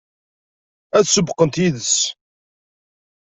Ad sewweqent yid-s?